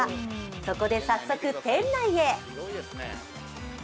そこで早速店内へ。